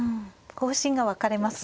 方針が分かれますね